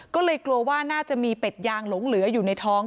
ก็เลยกลัวว่าน่าจะมีเป็ดยางหลงเหลืออยู่ในท้อง